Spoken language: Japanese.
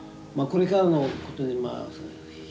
これからのことで。